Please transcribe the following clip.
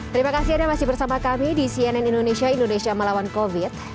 terima kasih anda masih bersama kami di cnn indonesia indonesia melawan covid